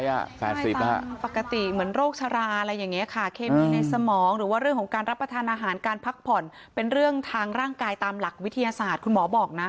ปกติเหมือนโรคชราอะไรอย่างนี้ค่ะเคมีในสมองหรือว่าเรื่องของการรับประทานอาหารการพักผ่อนเป็นเรื่องทางร่างกายตามหลักวิทยาศาสตร์คุณหมอบอกนะ